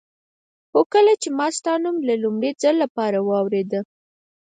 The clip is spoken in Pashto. هو کله چې ما ستا نوم د لومړي ځل لپاره واورېده.